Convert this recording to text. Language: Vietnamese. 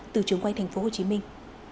từ trường quan thành phố hồ chí minh